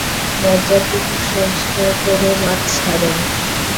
মজা পুকুর সংস্কার করে মাছ ছাড়েন।